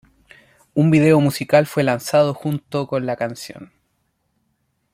Un video musical fue lanzado junto con la canción.